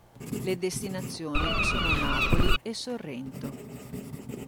Le destinazioni sono Napoli e Sorrento.